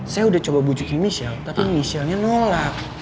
saya udah coba bujukin michelle tapi michelle nya nolak